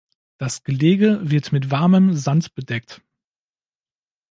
Das Gelege wird mit warmem Sand bedeckt.